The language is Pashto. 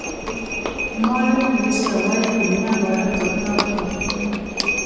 مادر تریسیا وایي په مینه واړه کارونه وکړئ.